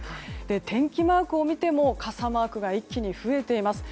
天気マークを見ても傘マークが一気に増えています。